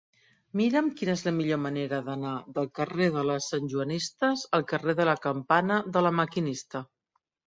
Mira'm quina és la millor manera d'anar del carrer de les Santjoanistes al carrer de la Campana de La Maquinista.